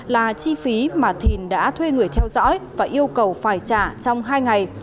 là chi phí mà thìn đã thuê người theo dõi và yêu cầu phải trả trong hai ngày